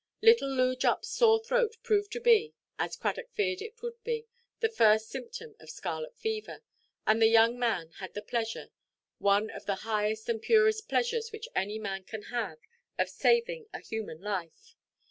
Little Loo Juppʼs sore throat proved to be, as Cradock feared it would, the first symptom of scarlet fever; and the young man had the pleasure—one of the highest and purest pleasures which any man can have—of saving a human life.